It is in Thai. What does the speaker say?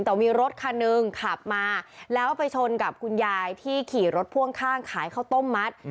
แต่มีรถคันหนึ่งขับมาแล้วไปชนกับคุณยายที่ขี่รถพ่วงข้างขายข้าวต้มมัด